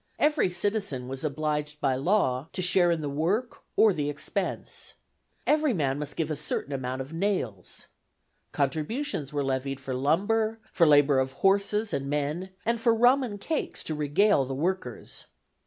Every citizen was obliged by law to share in the work or the expense. Every man must give a certain amount of "nayles." Contributions were levied for lumber, for labor of horses and men, and for "Rhum and Cacks" to regale the workers.